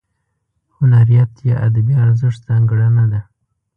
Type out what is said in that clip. هنریت یا ادبي ارزښت ځانګړنه ده.